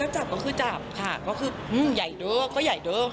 จับก็คือจับค่ะก็คือใหญ่เด้อก็ใหญ่เด้อ